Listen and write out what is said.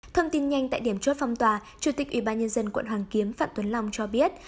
thông tin nhanh tại điểm chốt phong tòa chủ tịch ubnd quận hoàng kiếm phạm tuấn long cho biết